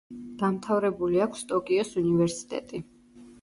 დამთავრებული აქვს ტოკიოს უნივერსიტეტი.